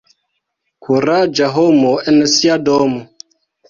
Kuraĝa homo en sia domo.